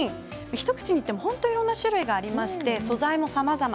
一口に言っても本当にいろいろな種類がありまして素材もさまざま。